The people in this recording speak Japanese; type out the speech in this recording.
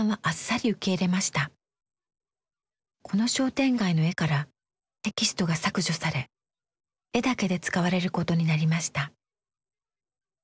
この商店街の絵からテキストが削除され絵だけで使われることになりました。